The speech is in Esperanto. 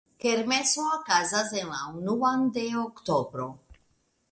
Kermeso okazas en la unuan de oktobro.